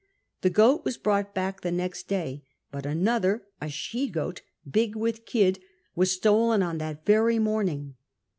The goat was brought Imck the next day ; but another, a she goat, big with kid, was stolon on that very morning.